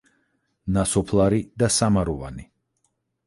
ნასოფლარი და სამაროვანი.